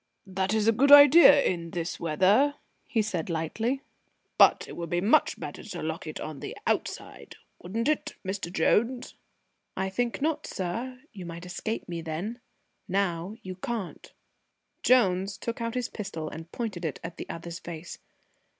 "That is a good idea in this weather," he said lightly, "but it would be much better to lock it on the outside, wouldn't it, Mr. Jones?" "I think not, sir. You might escape me then. Now you can't." Jones took his pistol out and pointed it at the other's face.